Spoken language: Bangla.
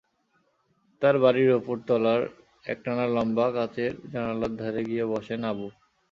তাঁর বাড়ির ওপর তলার একটানা লম্বা কাচের জানালার ধারে গিয়ে বসেন আবু।